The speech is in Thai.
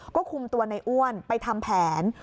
ก็คุมตัวในอ้วนไปทำแผน